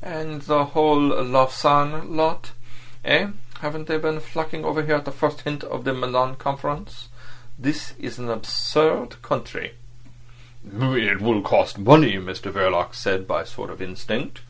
"And the whole Lausanne lot—eh? Haven't they been flocking over here at the first hint of the Milan Conference? This is an absurd country." "It will cost money," Mr Verloc said, by a sort of instinct.